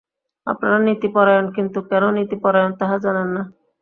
আপনারা নীতিপরায়ণ, কিন্তু কেন নীতিপরায়ণ, তাহা জানেন না।